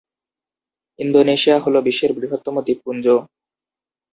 Indonesia হল বিশ্বের বৃহত্তম দ্বীপপুঞ্জ।